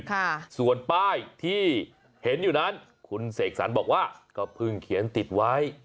ค่ะส่วนป้ายที่เห็นอยู่นั้นคุณเสกสรรบอกว่าก็เพิ่งเขียนติดไว้